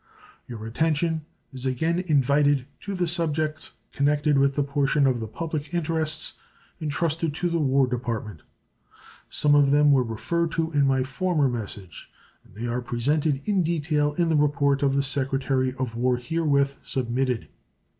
Your attention is again invited to the subjects connected with that portion of the public interests intrusted to the War Department. Some of them were referred to in my former message, and they are presented in detail in the report of the Secretary of War herewith submitted.